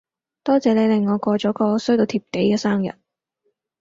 多謝你令我過咗個衰到貼地嘅生日